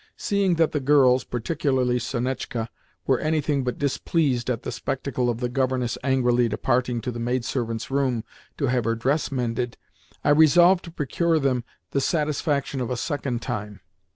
Seeing that the girls—particularly Sonetchka—were anything but displeased at the spectacle of the governess angrily departing to the maidservants' room to have her dress mended, I resolved to procure them the satisfaction a second time.